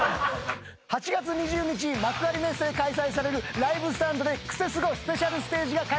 ８月２０日幕張メッセで開催されるＬＩＶＥＳＴＡＮＤで『クセスゴ』スペシャルステージが開催決定。